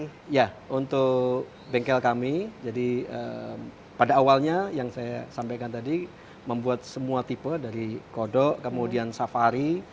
jadi ya untuk bengkel kami jadi pada awalnya yang saya sampaikan tadi membuat semua tipe dari kodo kemudian safari